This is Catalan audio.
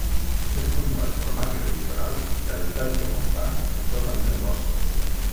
És comú a les comarques litorals i a l'estatge montà en tota mena de boscos.